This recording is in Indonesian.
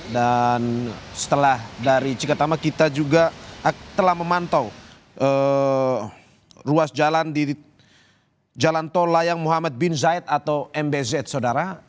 setelah dari cikatama kita juga telah memantau ruas jalan di jalan tol layang muhammad bin zaid atau mbz saudara